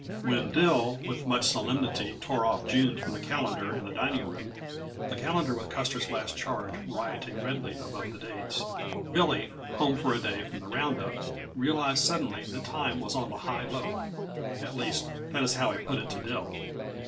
When Dill with much solemnity tore off June from the calendar in the dining room the calendar with Custer's Last Charge rioting redly above the dates Billy, home for a day from the roundup, realized suddenly that time was on the high lope; at least, that is how he put it to Dill.